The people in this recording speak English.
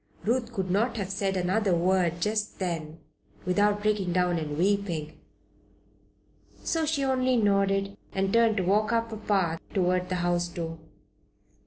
Ruth could not have said another word just then without breaking down and weeping, so she only nodded and turned to walk up a path toward the house door.